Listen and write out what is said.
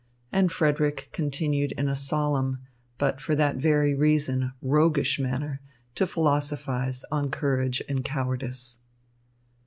And Frederick continued in a solemn, but for that very reason, roguish manner to philosophise on courage and cowardice.